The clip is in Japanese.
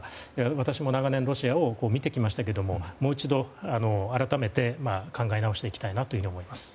私も長年ロシアを見てきましたけどももう一度、改めて考え直していきたいなと思います。